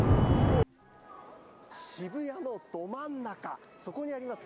渋谷のど真ん中、そこにあります